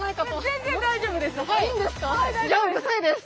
全然大丈夫です。